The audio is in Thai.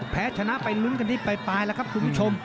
แพ้ชนะไปลุ้นกันที่ปลายแล้วครับคุณผู้ชม